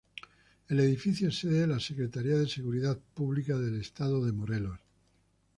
El edificio es sede de la Secretaría de Seguridad Pública del Estado de Morelos.